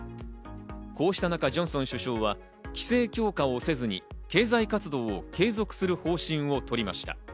こうした中、ジョンソン首相は規制強化をせずに経済活動を継続する方針を取りました。